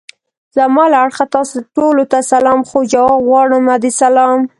زما له اړخه تاسو ټولو ته سلام خو! جواب غواړم د سلام.